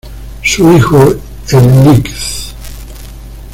Su hijo el Lic.